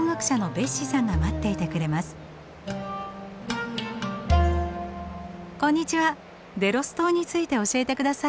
デロス島について教えてください。